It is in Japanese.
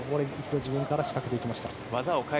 自分から仕掛けていきました。